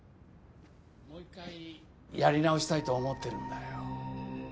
もう一回やり直したいと思ってるんだよ。